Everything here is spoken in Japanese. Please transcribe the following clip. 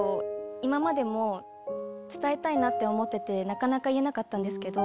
今までも伝えたいなって思っててなかなか言えなかったんですけど。